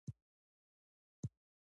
بحث نه غواړم وکړم.